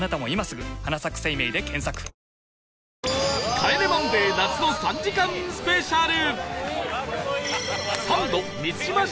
『帰れマンデー』夏の３時間スペシャル